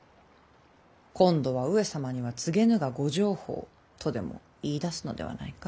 今度は上様には告げぬがご定法とでも言いだすのではないか？